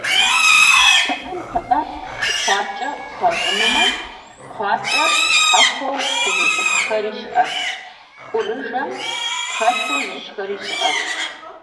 ПыӀэм пыӏэ кхъуакӏэ хуащӏынумэ, кхъуакӏэр щхьэхуэу пызыщӏыхьхэри щыӏэт, кӏурыжэм хэлъу зыщӏхэри щыӏэт.